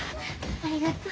ありがとう。